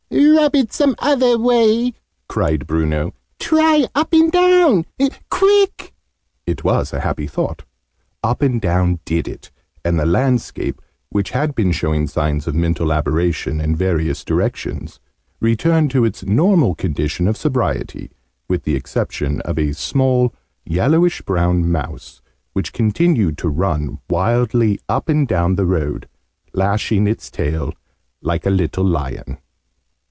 "Rub it some other way!" cried Bruno. "Try up and down! Quick!" It was a happy thought. Up and down did it: and the landscape, which had been showing signs of mental aberration in various directions, returned to its normal condition of sobriety with the exception of a small yellowish brown mouse, which continued to run wildly up and down the road, lashing its tail like a little lion.